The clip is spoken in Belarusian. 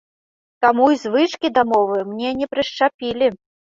Таму і звычкі да мовы мне не прышчапілі.